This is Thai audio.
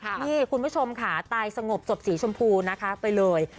นี่คุณผู้ชมค่ะตายสงบศพสีชมพูนะคะไปเลย